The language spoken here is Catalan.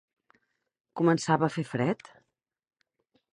Començava a fer fred?